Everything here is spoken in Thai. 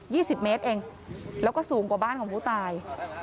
สิบเมตรเองแล้วก็สูงกว่าบ้านของผู้ตาย